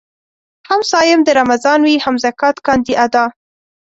هم صايم د رمضان وي هم زکات کاندي ادا